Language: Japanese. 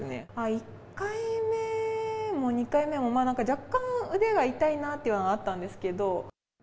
１回目も２回目も、若干、腕が痛いなっていうのはあったんですけど。